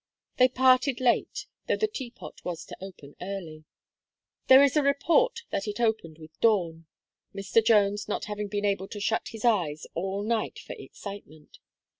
They parted late, though the Teapot was to open early. There is a report that it opened with dawn, Mr. Jones not having been able to shut his eyes all night for excitement.